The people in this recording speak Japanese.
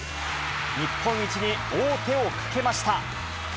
日本一に王手をかけました。